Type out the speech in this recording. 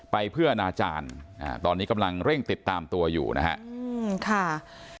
ไปเพื่ออนาจารย์ตอนนี้กำลังเร่งติดตามตัวอยู่นะฮะ